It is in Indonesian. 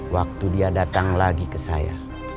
waktu dia datang lagi ke saya